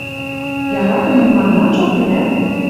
«Яратымем» манынат шоктенӓт?